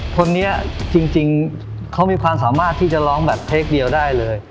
คนนี้จริงเขามีความสามารถที่จะร้องแบบเพลงเดียวได้เลย